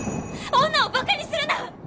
女を馬鹿にするな！